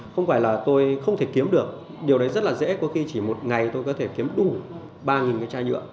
không phải là tôi không thể kiếm được điều đấy rất là dễ có khi chỉ một ngày tôi có thể kiếm đủ ba cái chai nhựa